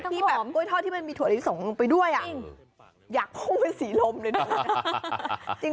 ที่แบบกล้วยทอดที่มันมีถั่วลิสงลงไปด้วยอยากพุ่งเป็นสีลมเลยด้วย